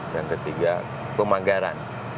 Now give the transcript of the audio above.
yang ketiga pemanggaran